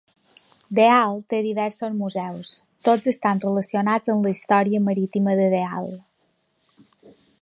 Deal té diversos museus; tots estan relacionats amb la història marítima de Deal.